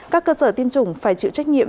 các cơ sở tiêm chủng phải chịu trách nhiệm